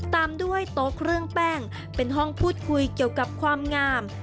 ตามด้วยโต๊ะเครื่องแป้งเป็นห้องพูดคุยเกี่ยวกับความงาม